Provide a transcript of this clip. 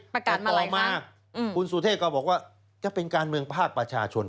ประกันมาเลยครับอืมคุณสุเทพก็บอกว่าก็เป็นการเมืองภาคประชาชน